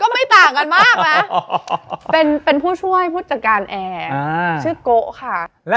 มามาเชิญฮะ